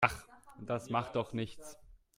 Ach, das macht doch nichts.